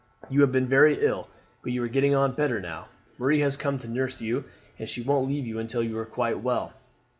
You have been very ill, but you are getting on better now. Marie has come to nurse you, and she won't leave you until you are quite well.